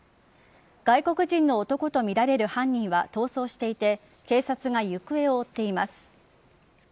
外国人の男とみられる犯人は逃走していて警察が行方を追っています。